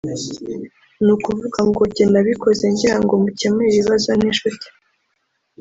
nukuvuga ngo jye nabikoze ngira ngo mukemurire ibibazo nk’inshuti